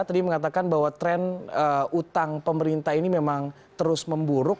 tadi mengatakan bahwa tren utang pemerintah ini memang terus memburuk